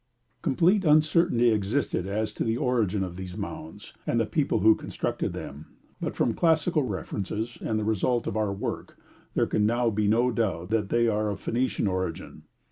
Complete uncertainty existed as to the origin of these mounds, and the people who constructed them, but, from classical references and the result of our own work, there can now be no doubt that they are of Phoenician origin.